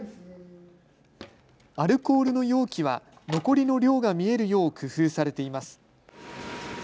アルコールの容器は残りの量が見えるよう工夫されています。